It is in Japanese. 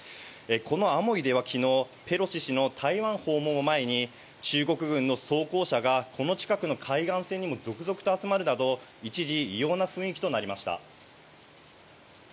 このアモイでは昨日、ペロシ氏の台湾訪問を前に中国軍の装甲車がこの近くの海岸線にも続々と集まるなど一時、異様ような雰囲気となりました。